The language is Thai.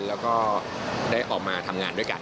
แล้วก็ได้ออกมาทำงานด้วยกัน